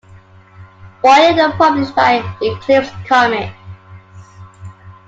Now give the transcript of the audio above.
Boyer and published by Eclipse Comics.